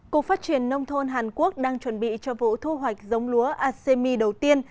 cục phát triển nông thôn hàn quốc đang chuẩn bị cho vụ thu hoạch giống lúa asemi đầu tiên